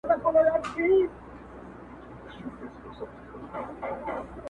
دوهم دا چي څوک آفت وي د دوستانو -